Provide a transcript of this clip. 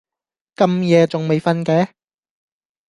咁夜仲未訓嘅？